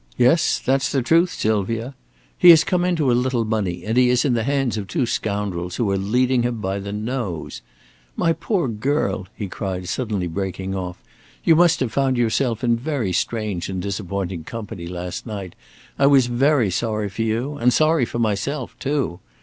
"Yes, that's the truth, Sylvia. He has come into a little money, and he is in the hands of two scoundrels who are leading him by the nose. My poor girl," he cried, suddenly breaking off, "you must have found yourself in very strange and disappointing company last night. I was very sorry for you, and sorry for myself, too.